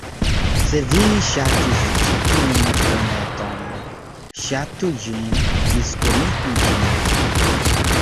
Se vi ŝatis ĉi tiun filmeton, Ŝatu ĝin, diskonigu ĝin